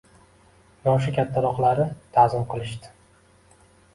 Yoshi kattaroqlari ta`zim qilishdi